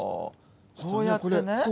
こうやってね。